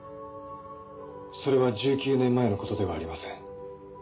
それは１９年前のことではありません。